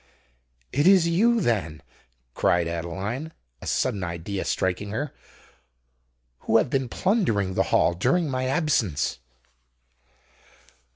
"It is you, then," cried Adeline, a sudden idea striking her, "who have been plundering the Hall during my absence?"